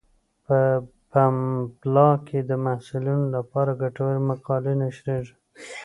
په پملا کې د محصلینو لپاره ګټورې مقالې نشریږي.